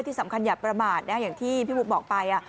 อย่าประมาทอย่างที่พี่บุ๊คบอกไป